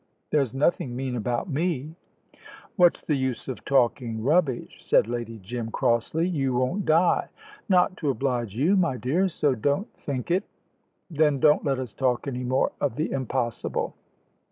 There's nothing mean about me." "What's the use of talking rubbish?" said Lady Jim, crossly; "you won't die." "Not to oblige you, my dear, so don't think it." "Then don't let us talk any more of the impossible."